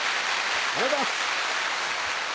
ありがとうございます。